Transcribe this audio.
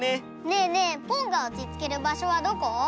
ねえねえポンがおちつける場所はどこ？